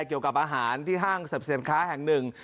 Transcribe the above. เกี่ยวกับอาหารที่ห้างเสื้อเสี่ยงค้าแห่งหนึ่ง